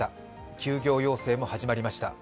休業要請も始まりました。